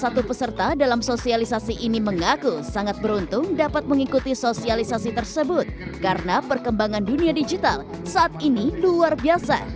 salah satu peserta dalam sosialisasi ini mengaku sangat beruntung dapat mengikuti sosialisasi tersebut karena perkembangan dunia digital saat ini luar biasa